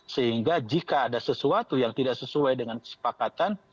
sehingga jika ada sesuatu yang tidak sesuai dengan kesepakatan